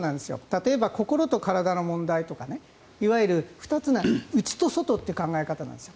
例えば心と体の問題とかいわゆる２つの内と外という考え方なんです。